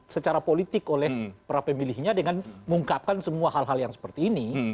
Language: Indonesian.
secara politik oleh para pemilihnya dengan mengungkapkan semua hal hal yang seperti ini